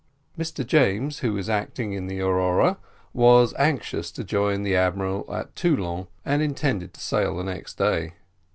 Mr James, who was acting in the Aurora, was anxious to join the admiral at Toulon, and intended to sail the next day.